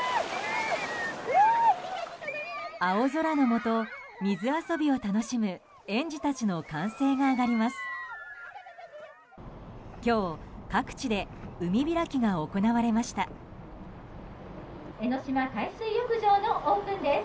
青空のもと、水遊びを楽しむ園児たちの歓声が上がります。